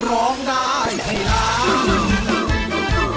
ร้องได้ให้ร้อง